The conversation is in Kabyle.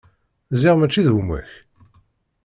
Ziɣ mačči d gma-k.